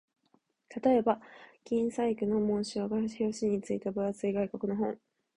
例えば、銀細工の紋章が表紙に付いた分厚い外国の本